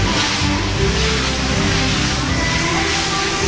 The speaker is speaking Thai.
สุดท้ายสุดท้ายสุดท้าย